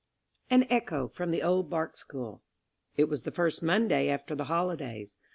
AN ECHO FROM THE OLD BARK SCHOOL It was the first Monday after the holidays.